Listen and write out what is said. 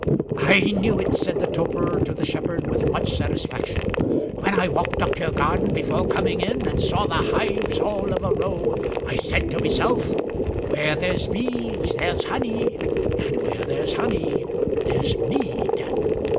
"I knew it!" said the toper to the shepherd, with much satisfaction. "When I walked up your garden afore coming in, and saw the hives all of a row, I said to myself, 'Where there's bees there's honey, and where there's honey there's mead.'